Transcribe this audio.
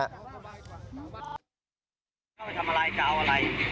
เข้าไปทำอะไรจะเอาอะไร